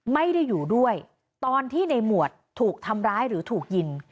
ไม่ได้อยู่ด้วยตอนที่ในหมวดถูกทำร้ายหรือถูกยิง